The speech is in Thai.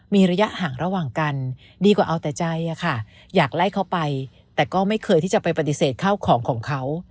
มีระยะห่างระหว่างกันดีกว่าเอาแต่ใจอะค่ะอยากไล่เขาไปแต่ก็ไม่เคยที่จะไปปฏิเสธเข้าของของเขา